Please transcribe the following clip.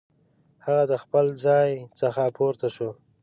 هغه د خپل ځای څخه پورته شو.